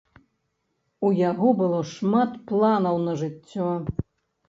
У яго было шмат планаў на жыццё.